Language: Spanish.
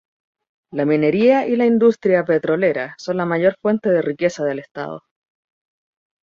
La minería y la industria petrolera son la mayor fuente de riqueza del estado.